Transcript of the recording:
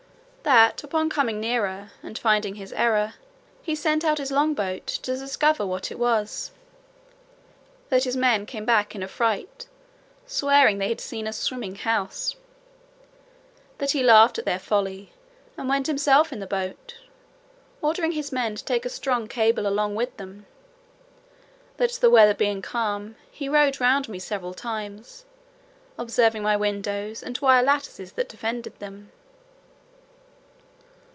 That upon coming nearer, and finding his error, he sent out his long boat to discover what it was; that his men came back in a fright, swearing they had seen a swimming house. That he laughed at their folly, and went himself in the boat, ordering his men to take a strong cable along with them. That the weather being calm, he rowed round me several times, observed my windows and wire lattices that defended them.